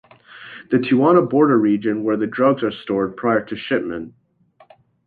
The Tijuana border region where the drugs are stored prior to shipment.